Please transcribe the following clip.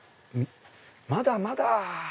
「まだまだぁ